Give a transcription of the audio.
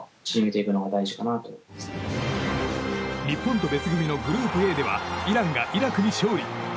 日本と別組のグループＡではイランがイラクに勝利。